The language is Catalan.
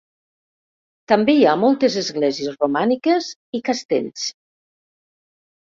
També hi ha moltes esglésies romàniques i castells.